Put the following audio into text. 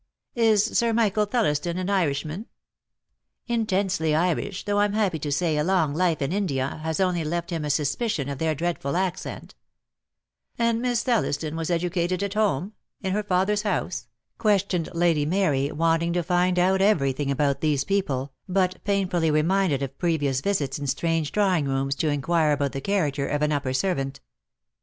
"Is Sir Michael Thelliston an Irishman?" Dead Love has Chains. lO 146 DEAD LOVE HAS CHAINS. "Intensely Irish, though I'm happy to say a long life in India has only left him a suspicion of their dreadful accent." "And Miss Thelliston was educated at home — in her father's house?" questioned Lady Mary, want ing to find out everything about these people, but painfully reminded of previous visits in strange drawing rooms to inquire about the character of an upper servant.